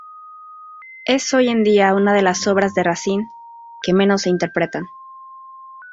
Es hoy en día una de las obras de Racine que menos se interpretan.